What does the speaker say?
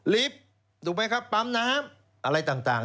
ลิฟต์ปั๊มน้ำอะไรต่าง